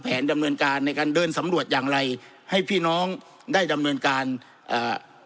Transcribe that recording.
ดำเนินการในการเดินสำรวจอย่างไรให้พี่น้องได้ดำเนินการอ่า